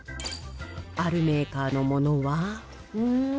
あるメーカーのものは。